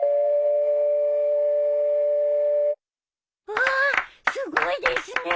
うわあすごいですね。